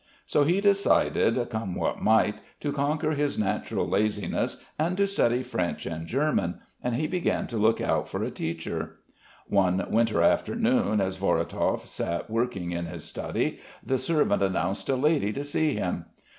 So he decided, come what might, to conquer his natural laziness and to study French and German, and he began to look out for a teacher. One winter afternoon, as Vorotov sat working in his study, the servant announced a lady to see him.